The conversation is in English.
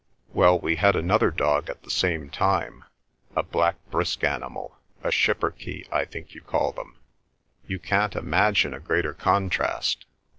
Well, we had another dog at the same time, a black brisk animal—a Schipperke, I think, you call them. You can't imagine a greater contrast.